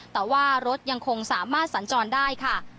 แต่ว่ารถยังคงสามารถสัญจรได้ค่ะ